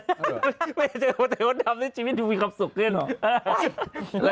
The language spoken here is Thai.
ว่าถ้าโอเคอยู่ในชีวิตคุณสู้ว่าความสุขด้วยเนอะ